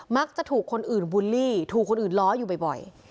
ถูกคนอื่นบูลลี่ถูกคนอื่นล้ออยู่บ่อย